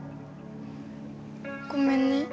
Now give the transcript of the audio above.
ごめんね。